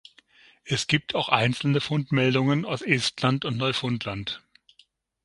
Es gibt auch einzelne Fundmeldungen aus Estland und Neufundland.